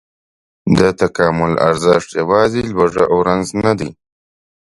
د تکامل ارزښت یواځې لوږه او رنځ نه دی.